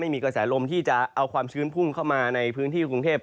มีกระแสลมที่จะเอาความชื้นพุ่งเข้ามาในพื้นที่กรุงเทพ